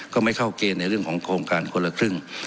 ไม่เข้าเกณฑ์ในเรื่องของโครงการคนละครึ่ง